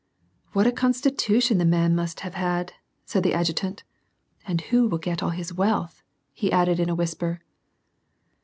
" What a constitution the man must have had !" said the adjutant. " And who will get all his wealth ?" he added, in a whisper.